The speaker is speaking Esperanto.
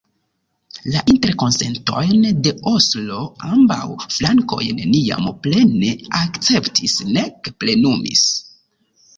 La Interkonsentojn de Oslo ambaŭ flankoj neniam plene akceptis nek plenumis.